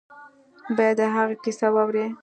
باید د هغه کیسه واوري.